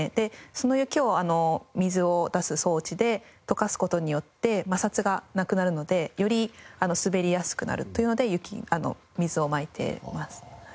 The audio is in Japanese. その雪を水を出す装置で溶かす事によって摩擦がなくなるのでより滑りやすくなるというので水をまいてますはい。